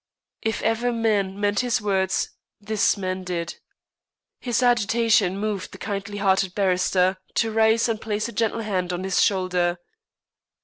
If ever man meant his words this man did. His agitation moved the kindly hearted barrister to rise and place a gentle hand on his shoulder.